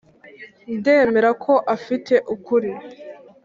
ndemera ko afite ukuri.